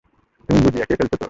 তুই গুজিয়া খেয়ে ফেলেছত?